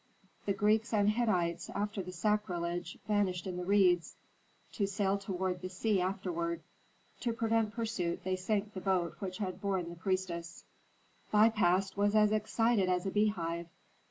The Greeks and Hittites after the sacrilege vanished in the reeds, to sail toward the sea afterward. To prevent pursuit they sank the boat which had borne the priestess. Pi Bast was as excited as a beehive.